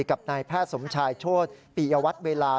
กับนายแพทย์สมชายโชธปียวัตรเวลา